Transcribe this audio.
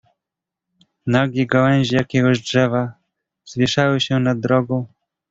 "Nagie gałęzie jakiegoś drzewa zwieszały się nad drogą."